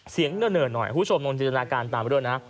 เสียงเหนอะหน่อยผู้ชมต้องสนทนาการตามไว้ด้วยนะ